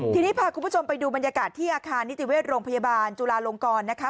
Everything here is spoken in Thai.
ทีนี้พาคุณผู้ชมไปดูบรรยากาศที่อาคารนิติเวชโรงพยาบาลจุลาลงกรนะคะ